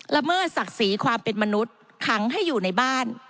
เมิดศักดิ์ศรีความเป็นมนุษย์ขังให้อยู่ในบ้าน